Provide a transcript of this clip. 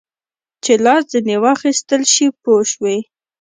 چې لاس ځینې واخیستل شي پوه شوې!.